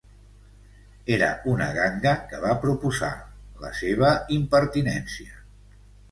Era una ganga que va proposar: la seva impertinència !